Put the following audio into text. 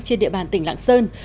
trên địa bàn tỉnh lạng sơn